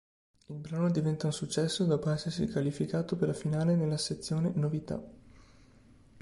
Il brano diventa un successo dopo essersi qualificato per la finale nella sezione "Novità".